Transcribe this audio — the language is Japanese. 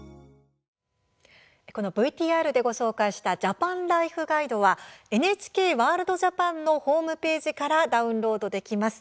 ＶＴＲで紹介したジャパンライフガイドはＮＨＫワールドジャパンのホームページからダウンロードできます。